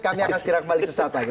kami akan segera kembali sesaat lagi